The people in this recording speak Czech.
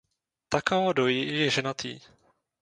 Takao Doi je ženatý.